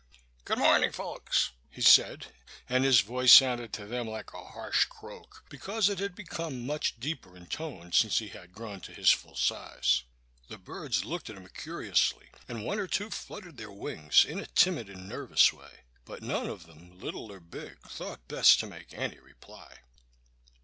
"Good morning, folks," he said; and his voice sounded to them like a harsh croak, because it had become much deeper in tone since he had grown to his full size. The birds looked at him curiously, and one or two fluttered their wings in a timid and nervous way; but none of them, little or big, thought best to make any reply.